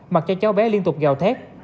mặc cho cháu bé liên tục gào thét